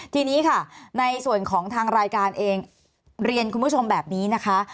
ทีนี้ค่ะในส่วนของทางรายการเองเรียนคุณผู้ชมแบบนี้นะคะ